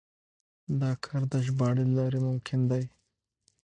دا کار د ژباړې له لارې ممکن دی.